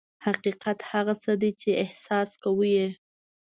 حقیقت هغه څه دي چې احساس کوو یې.